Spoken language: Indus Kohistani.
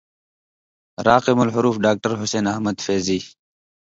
راقم الحروف ڈاکٹر حسېن احمد فېضی